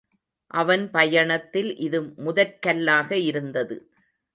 அவன் பயணத்தில் இது முதற்கல்லாக இருந்தது.